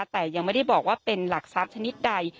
แต่ยังไม่ได้บอกว่าเป็นหลักทรัพย์ชนิดใด